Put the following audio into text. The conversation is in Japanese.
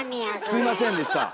すみませんでした。